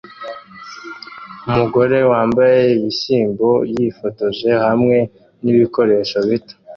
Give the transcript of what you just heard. Umugore wambaye ibishyimbo yifotoje hamwe nibikoresho bito